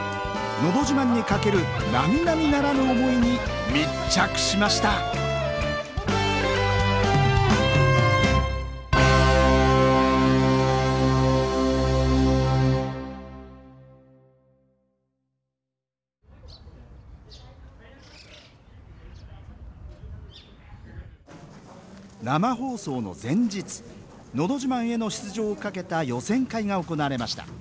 「のど自慢」にかけるなみなみならぬ思いに密着しました生放送の前日「のど自慢」への出場をかけた予選会が行われました。